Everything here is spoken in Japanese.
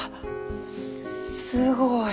すごい。